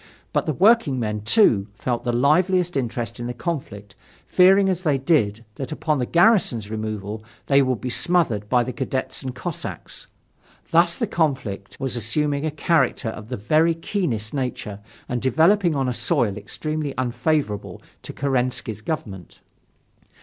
But the working men, too, felt the liveliest interest in the conflict, fearing as they did that upon the garrison's removal they would be smothered by the cadets and cossacks. Thus the conflict was assuming a character of the very keenest nature and developing on a soil extremely unfavorable for Kerensky's government.